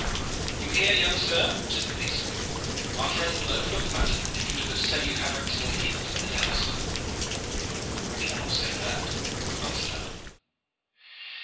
"You hear, young sir?" said the peacemaker. "Our friend will overlook the matter if you do but say that you have acted in heat and haste." "I cannot say that," answered Alleyne.